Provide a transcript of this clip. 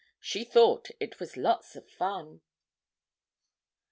She thought it was lots of fun.'